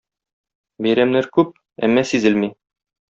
Бәйрәмнәр күп, әмма сизелми.